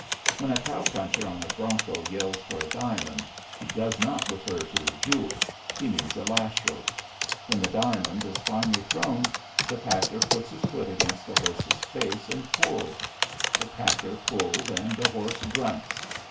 When a cow puncher on a bronco yells for a diamond, he does not refer to a jewel. He means a lash rope. When the diamond is finally thrown, the packer puts his foot against the horse's face and pulls. The packer pulls, and the horse grunts.